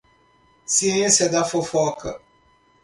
Ciência da fofoca